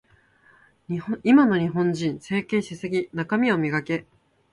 今の日本人、整形しすぎ。中身を磨け。